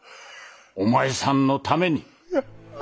お前さんのために。